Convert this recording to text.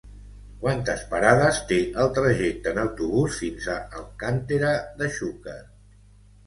Quantes parades té el trajecte en autobús fins a Alcàntera de Xúquer?